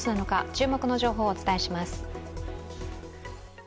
注目の情報をお伝えします。